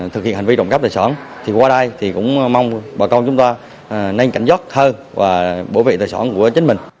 thực hiện hành vi trộm cắp tài sản thì qua đây thì cũng mong bọn con chúng ta nâng cảnh giác thơ và bổ vệ tài sản của chính mình